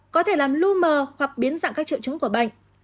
có thể làm lưu mờ hoặc biến dạng các triệu chứng của bệnh